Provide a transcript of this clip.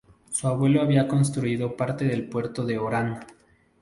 Su abuelo había construido parte del puerto de Orán.